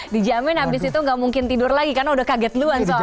dijamin abis itu nggak mungkin tidur lagi karena udah kaget duluan soalnya